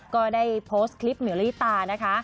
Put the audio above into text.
ก็ได้โพสต์คลิปหมิวลิตานะคะ